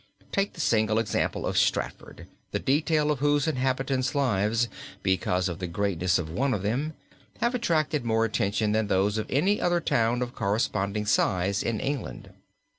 Take the single example of Stratford, the details of whose inhabitants' lives, because of the greatness of one of them, have attracted more attention than those of any other town of corresponding size in England.